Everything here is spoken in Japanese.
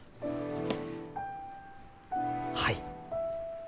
はい。